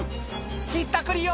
「ひったくりよ！」